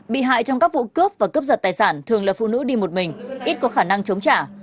bị hại trong các vụ cướp và cướp giật tài sản thường là phụ nữ đi một mình ít có khả năng chống trả